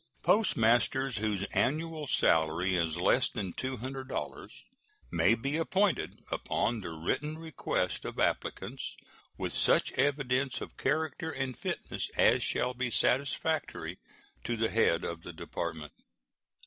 Postmasters whose annual salary is less than $200 may be appointed upon the written request of applicants, with such evidence of character and fitness as shall be satisfactory to the head of the Department.